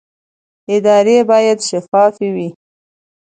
ادارې باید شفافې وي